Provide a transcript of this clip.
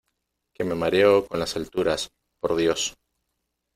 que me mareo con las alturas, por Dios.